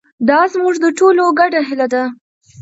دا زموږ د ټولو ګډه هیله ده.